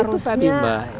nah itu tadi mbak